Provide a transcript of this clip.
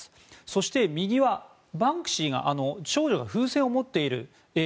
そして右はバンクシーの少女が風船を持っている絵